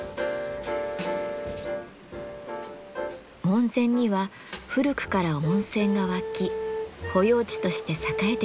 門前には古くから温泉が湧き保養地として栄えてきました。